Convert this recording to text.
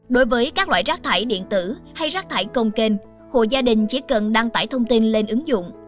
đối với các loại rác thải điện tử hay rác thải công kênh hồ gia đình chỉ cần đăng tải thông tin lên ứng dụng